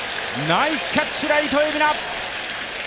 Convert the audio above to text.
ナイスキャッチ、ライト・蝦名！